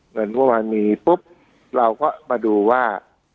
เงินกำลังมามีปุ๊บเราก็มาดูว่า